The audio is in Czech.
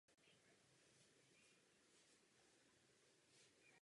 To vše společně představuje velice dobrý balíček v zájmu Evropy.